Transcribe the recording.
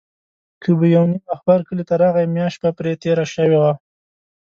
که به یو نیم اخبار کلي ته راغی، میاشت به پرې تېره شوې وه.